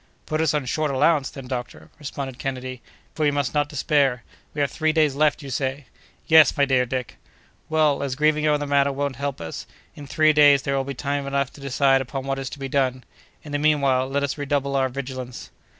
"Put us on short allowance, then, doctor," responded Kennedy, "but we must not despair. We have three days left, you say?" "Yes, my dear Dick!" "Well, as grieving over the matter won't help us, in three days there will be time enough to decide upon what is to be done; in the meanwhile, let us redouble our vigilance!"